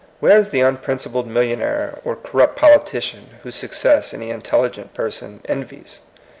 Where is the unprin cipled millionaire or corrupt politician whose success any intelligent person en vies